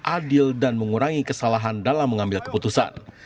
adil dan mengurangi kesalahan dalam mengambil keputusan